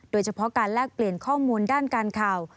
โดยเฉพาะการแลกเปลี่ยนข้อมูลด้านการข่าว